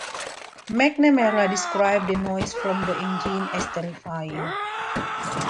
McNamara described the noise from the engines as "terrifying".